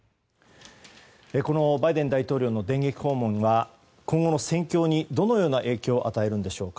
このバイデン大統領の電撃訪問は今後の戦況にどのような影響を与えるんでしょうか。